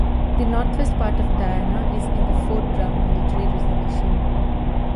The northwest part of Diana is in the Fort Drum military reservation.